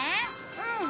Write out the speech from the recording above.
うん。